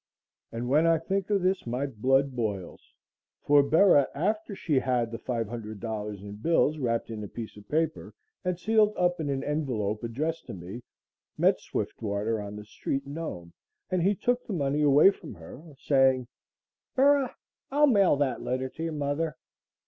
And when I think of this my blood boils, for Bera, after she had the $500 in bills wrapped in a piece of paper and sealed up in an envelope addressed to me, met Swiftwater on the street in Nome and he took the money away from her, saying: "Bera, I'll mail that letter to your mother."